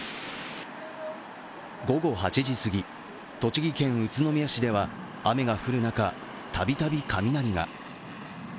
午後８時過ぎ、栃木県宇都宮市では雨が降る中、度々雷が。